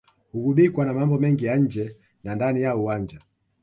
hugubikwa na mambo mengi ya nje na ndani ya uwanja